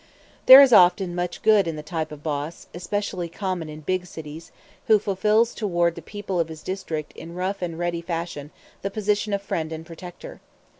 There is often much good in the type of boss, especially common in big cities, who fulfills towards the people of his district in rough and ready fashion the position of friend and protector.